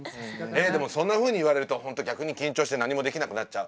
でもそんなふうに言われると本当逆に緊張して何もできなくなっちゃう。